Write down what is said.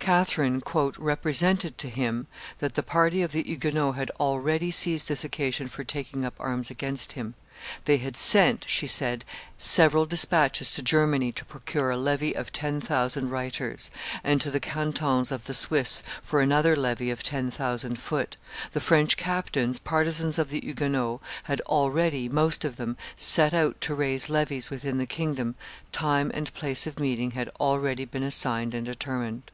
Catherine "represented to him that the party of the Huguenots had already seized this occasion for taking up arms against him; they had sent," she said, "several despatches to Germany to procure a levy of ten thousand reiters, and to the cantons of the Swiss for another levy of ten thousand foot; the French captains, partisans of the Huguenots, had already, most of them, set out to raise levies within the kingdom time and place of meeting had already been assigned and determined.